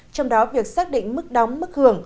trong đó việc xác định mức đóng mức hưởng